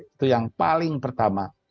itu yang paling pertama